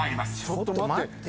ちょっと待って。